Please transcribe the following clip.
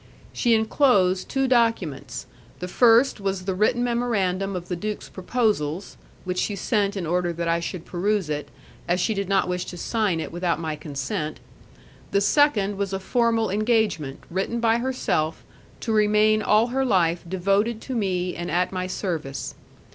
She enclosed two documents, the first was the written memorandum of the duke's proposals, which she sent in order that I should peruse it, as she did not wish to sign it without my consent; the second was a formal engagement, written by herself, to remain all her life devoted to me and at my service.